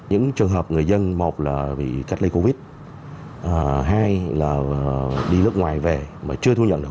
những trường hợp người dân một là bị cách ly covid hai là đi nước ngoài về mà chưa thu nhận được